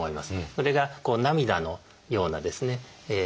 それが涙のようなですね。